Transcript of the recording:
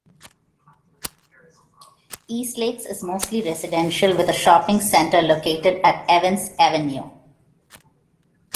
Eastlakes is mostly residential with a shopping centre located at Evans Avenue.